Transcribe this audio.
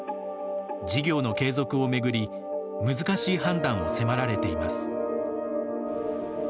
事業の継続を巡り難しい判断を迫られています。